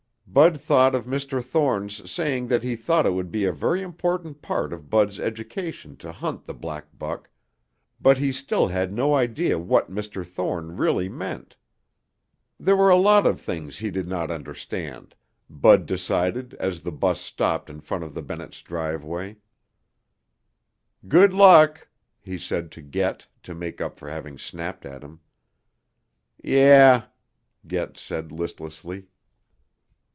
Bud thought of Mr. Thorne's saying that he thought it would be a very important part of Bud's education to hunt the black buck, but he still had no idea what Mr. Thorne really meant. There were a lot of things he did not understand, Bud decided as the bus stopped in front of the Bennetts' driveway. "Good luck," he said to Get to make up for having snapped at him. "Yeah," Get said listlessly.